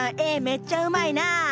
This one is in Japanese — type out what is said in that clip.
めっちゃうまいなあ。